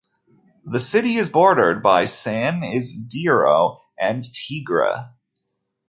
The city is bordered by San Isidro and Tigre.